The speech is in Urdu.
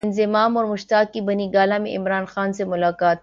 انضمام اور مشتاق کی بنی گالا میں عمران خان سے ملاقات